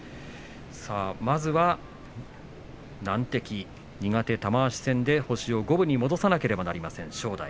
まずは難敵、苦手の玉鷲戦で星を五分に戻さなければなりません、正代。